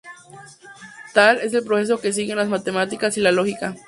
Tal es el proceso que siguen las Matemáticas y la Lógica.